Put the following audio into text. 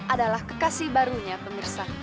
adalah kekasih barunya pemirsa